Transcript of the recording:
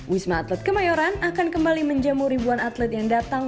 wisma atlet kemayoran akan kembali menjamu ribuan atlet yang datang